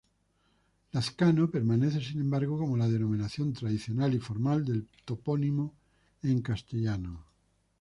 Lazcano permanece sin embargo como la denominación tradicional y formal del topónimo en castellano.